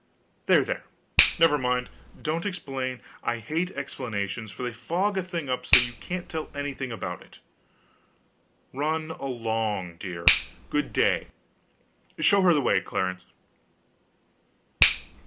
There, there, never mind, don't explain, I hate explanations; they fog a thing up so that you can't tell anything about it. Run along, dear; good day; show her the way, Clarence."